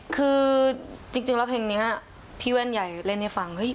คือจริงแล้วเพลงนี้พี่แว่นใหญ่เล่นให้ฟังเฮ้ย